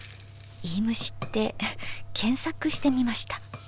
いいむしって検索してみました。